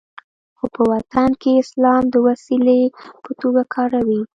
خو په باطن کې اسلام د وسیلې په توګه کاروي.